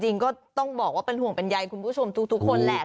จริงก็ต้องบอกว่าเป็นห่วงเป็นใยคุณผู้ชมทุกคนแหละ